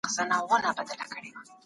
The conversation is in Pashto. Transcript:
حکمت الله سروش حکيم الله ساکن